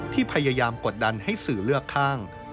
ที่พยายามกดดันให้สื่อเลือกข้าง